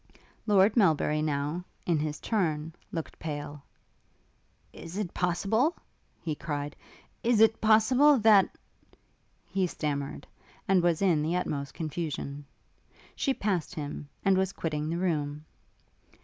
Lord Melbury now, in his turn, looked pale. 'Is it possible ' he cried, 'Is it possible, that ' He stammered, and was in the utmost confusion. She passed him, and was quitting the room.